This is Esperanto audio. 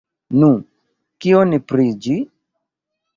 Nu, kion pri ĝi?